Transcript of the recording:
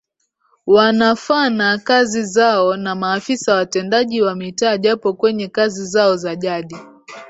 wanafana kazi zao na Maafisa watendaji wa Mitaa japo kwenye kazi zao za jadi